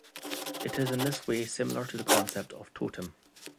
It is in this way similar to the concept of Totem.